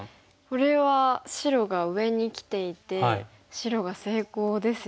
これは白が上にきていて白が成功ですよね。